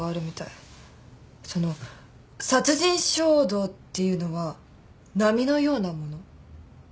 その殺人衝動っていうのは波のようなもの。